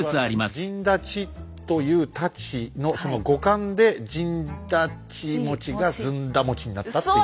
「陣太刀」という太刀のその語感で「陣太刀餅」が「ずんだ餅」になったっていう。